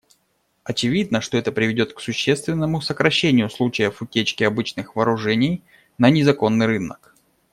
Очевидно, что это приведет к существенному сокращению случаев утечки обычных вооружений на незаконный рынок.